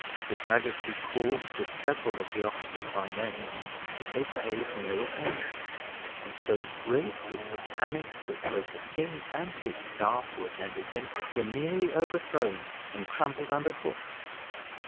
His majesty called to several of the officers by name, but they paid no attention; and so great was the panic, that both the king and his staff, who attended him, were nearly overthrown, and trampled under foot.